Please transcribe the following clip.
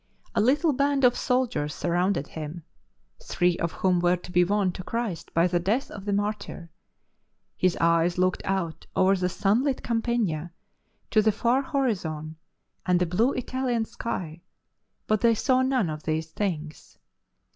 A little band of soldiers surrounded him, three of whom were to be won to Christ by the death of the martyr. His eyes looked out over the sunlit campagna to the far horizon and the blue Italian sky, but they saw none of these things.